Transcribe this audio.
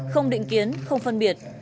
không định kiến không phân biệt